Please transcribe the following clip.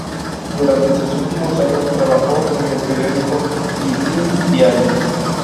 Durante sus últimos años trabajó en el periódico Listín Diario.